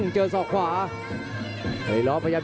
จริงครับ